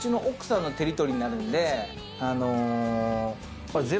あの。